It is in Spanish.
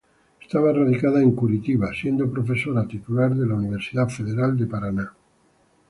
Estaba radicada en Curitiba, siendo profesora titular de la Universidad Federal de Paraná.